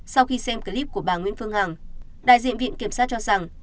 sau khi xem clip của bà nguyễn phương hằng đại diện viện kiểm sát cho rằng